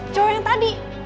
cowok yang tadi